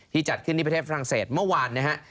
ที่จัดขึ้นในประเทศฝรั่งเศสเมื่อวานนะครับ